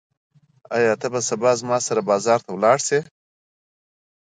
ایا ته به سبا ما سره بازار ته لاړ شې؟